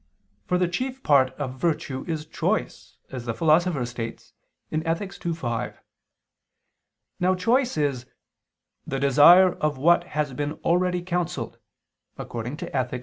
For the chief part of virtue is choice as the Philosopher states (Ethic. ii, 5). Now choice is "the desire of what has been already counselled" (Ethic.